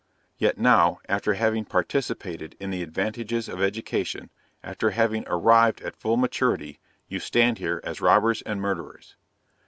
Yet now, after having participated in the advantages of education, after having arrived at full maturity, you stand here as robbers and murderers.